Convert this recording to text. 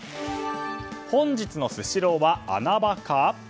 本日のスシローは穴場化？